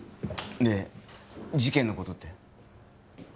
で事件のことって？